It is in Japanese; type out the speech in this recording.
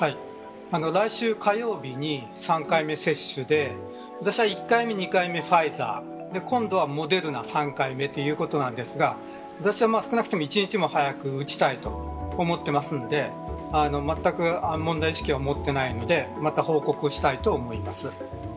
来週火曜日に３回目接種で私は１回目、２回目ファイザー今度はモデルナ３回目ということなんですが私は、少なくとも１日でも早く打ちたいと思っていますのでまったく問題意識を持っていないのでまた報告したいと思います。